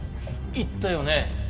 言ったよね？